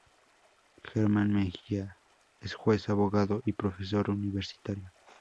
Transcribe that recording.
Germán Mejía es juez, abogado y profesor universitario.